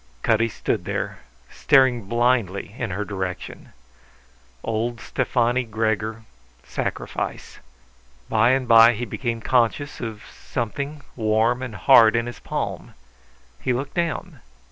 Cutty stood there, staring blindly in her direction. Old Stefani Gregor; sacrifice. By and by he became conscious of something warm and hard in his palm. He looked down.